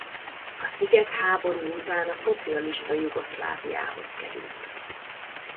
A sziget háború után a szocialista Jugoszláviához került.